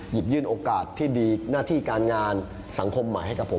ยื่นโอกาสที่ดีหน้าที่การงานสังคมใหม่ให้กับผม